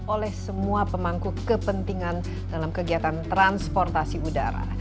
oleh semua pemangku kepentingan dalam kegiatan transportasi udara